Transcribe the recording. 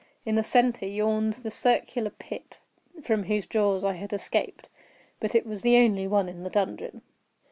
In the centre yawned the circular pit from whose jaws I had escaped; but it was the only one in the dungeon.